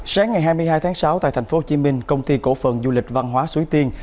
sáng ngày hai mươi hai tháng sáu tại tp hcm công ty cổ phận du lịch văn hóa xuế tiên